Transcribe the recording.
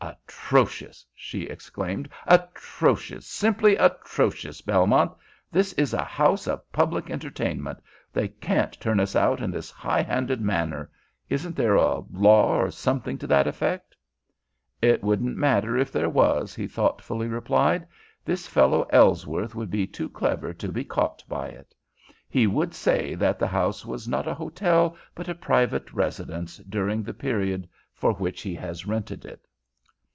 "Atrocious!" she exclaimed. "Atrocious! Simply atrocious, Belmont. This is a house of public entertainment. They can't turn us out in this high minded manner! Isn't there a law or something to that effect?" "It wouldn't matter if there was," he thoughtfully replied. "This fellow Ellsworth would be too clever to be caught by it. He would say that the house was not a hotel but a private residence during the period for which he has rented it."